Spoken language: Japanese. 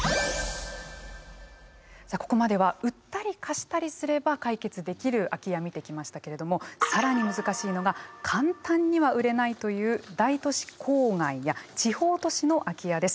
さあここまでは売ったり貸したりすれば解決できる空き家見てきましたけれども更に難しいのが簡単には売れないという大都市郊外や地方都市の空き家です。